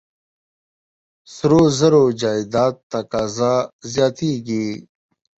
سرو زرو جایداد تقاضا زیاتېږي.